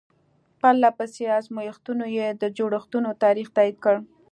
پرله پسې ازمایښتونو یې د جوړښتونو تاریخ تایید کړ.